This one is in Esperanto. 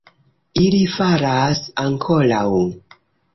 Ili falas ankoraŭ!